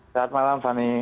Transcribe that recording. sehat malam fanny